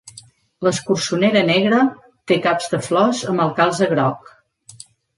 L'escurçonera negra té caps de flors amb el calze groc.